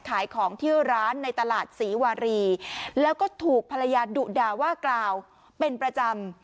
ขายของที่ร้านในตลาดศรีวารีแล้วก็ถูกภรรยาดุด่าว่ากล่าวเป็นประจำ